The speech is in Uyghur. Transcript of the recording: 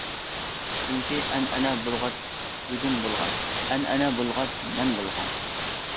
چۈنكى ئەنئەنە بولغاچ بۈگۈن بولغان. ئەنئەنە بولغاچ مەن بولغان.